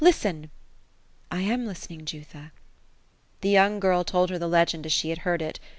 Listen." " I am listening, Jutha" The young girl told her the legend as she had heard it.